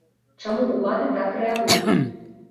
Чаму ўлады так рэагуюць?